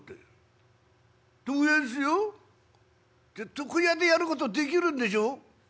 「床屋でやることできるんでしょ」。